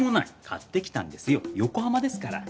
買ってきたんですよ横浜ですから。